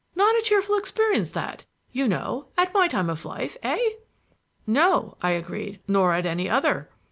Not a cheerful experience that, you know, at my time of life, eh?" "No," I agreed, "nor at any other."